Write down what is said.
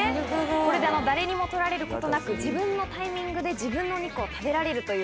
これで誰にも取られることなく自分のタイミングで自分のお肉を食べられるという。